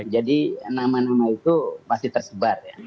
jadi nama nama itu masih tersebar